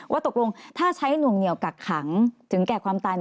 ตกลงถ้าใช้หน่วงเหนียวกักขังถึงแก่ความตาย